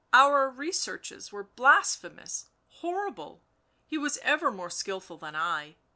. our researches were blasphemous, horrible, he was ever more skilful than I